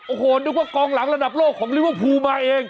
โอ้โหนึกว่ากองหลังระดับโลกของลิเวอร์พูลมาเอง